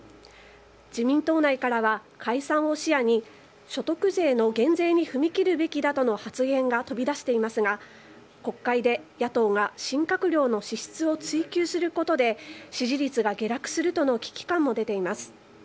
自民党内からは解散を視野に所得税の減税に踏み切るべきだとの発言が飛び出していますが国会で野党が新閣僚の資質を追及することで支持率が下落するとの危機感も出ています。